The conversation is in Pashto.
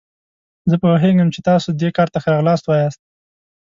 زه پوهیږم چې تاسو دې کار ته ښه راغلاست وایاست.